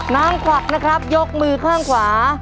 ควักนะครับยกมือข้างขวา